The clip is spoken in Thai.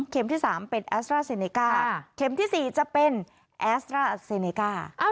ที่๓เป็นแอสตราเซเนก้าเข็มที่๔จะเป็นแอสตราอาเซเนก้า